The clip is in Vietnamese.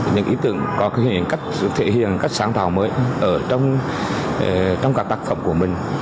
những ý tưởng có thể hiện cách sáng tạo mới ở trong các tác phẩm của mình